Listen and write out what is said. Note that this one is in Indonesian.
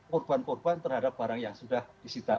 korban korban terhadap barang yang sudah disita